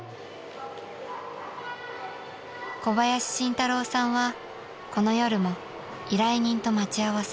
［小林慎太郎さんはこの夜も依頼人と待ち合わせ］